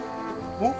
おっ？